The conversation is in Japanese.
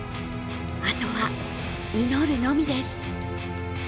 あとは、祈るのみです。